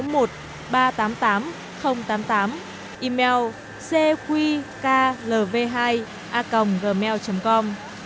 chị cục kiểm lâm vùng bốn điện thoại chín trăm sáu mươi một ba trăm tám mươi tám tám mươi tám email cqklv hai acom gmail com